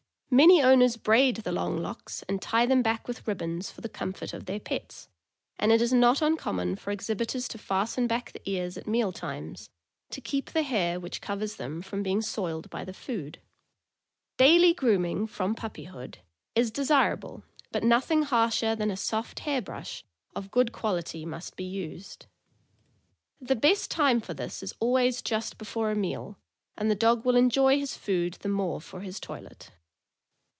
Many owners braid the long locks and tie them back with ribbons for the comfort of their pets, and it is not uncommon for exhibitors to fasten back the ears at meal times, to keep the hair which covers them from being soiled by the food. Daily grooming, from puppyhood, is desirable, but nothing harsher than a soft hair brush of good quality must be used. The best time for this is always just before a meal, and the dog will enjoy his food the more for his toilet.